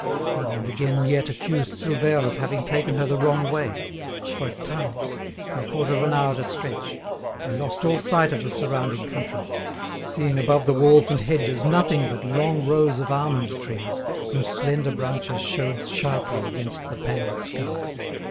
Now and again Miette accused Silvère of having taken her the wrong way; for, at times—for a quarter of an hour at a stretch—they lost all sight of the surrounding country, seeing above the walls and hedges nothing but long rows of almond trees whose slender branches showed sharply against the pale sky.